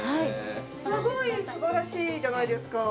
すごい素晴らしいじゃないですか。